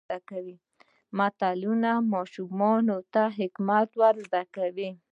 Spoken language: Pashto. متلونه ماشومانو ته حکمت ور زده کوي.